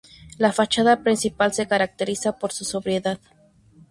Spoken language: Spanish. La fachada principal se caracteriza por su sobriedad.